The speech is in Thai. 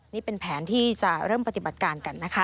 นี่เป็นแผนที่จะเริ่มปฏิบัติการกันนะคะ